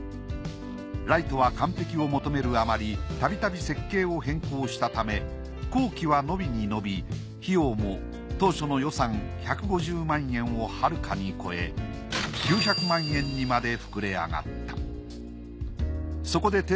ライトは完璧を求めるあまりたびたび設計を変更したため工期は延びに延び費用も当初の予算１５０万円をはるかに超え９００万円にまで膨れ上がった。